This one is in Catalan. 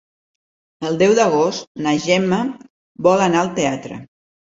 El deu d'agost na Gemma vol anar al teatre.